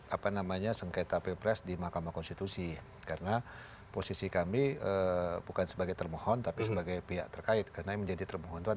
apa yang akan disiapkan ketika mengajukan diri sebagai pihak terkait